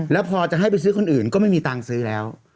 แล้วพอจะให้ไปซื้อคนอื่นก็ไม่มีตังค์ซื้อแล้ว